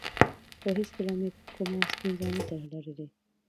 خو هېڅکله مې کومه ستونزه نه ده لرلې